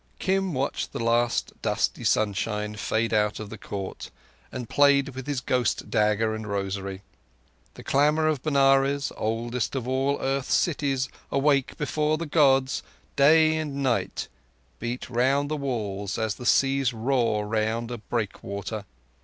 Kim watched the last dusty sunshine fade out of the court, and played with his ghost dagger and rosary. The clamour of Benares, oldest of all earth's cities awake before the Gods, day and night, beat round the walls as the sea's roar round a breakwater.